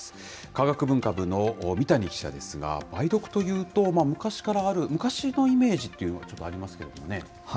科学文化部の三谷記者ですが、梅毒というと、昔からある、昔のイメージということがありますけどね。